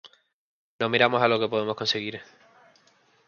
No miramos a lo que podemos conseguir.